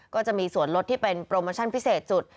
ก็จะมีส่วนลดที่เป็นโปรโมชั่นพิเศษจุด